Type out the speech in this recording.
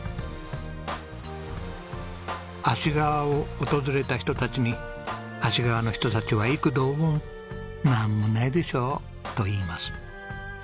芦川を訪れた人たちに芦川の人たちは幾度も「なんもないでしょ？」と言います。